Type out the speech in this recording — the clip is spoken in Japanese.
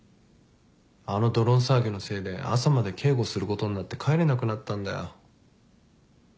あのドローン騒ぎのせいで朝まで警護することになって帰れなくなったんだよ。